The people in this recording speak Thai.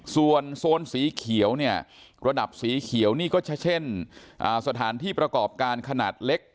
ส่วนโซนสีเขียวเนี่ยระดับสีเขียวนี่ก็จะเช่นสถานที่ประกอบการขนาดเล็ก